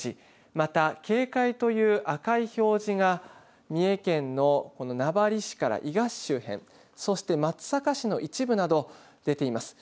また、警戒という赤い表示が三重県のこの名張市から伊賀市周辺そして松阪市の一部など出ています。